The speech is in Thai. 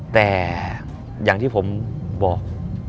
แต่อย่างที่ผมบอก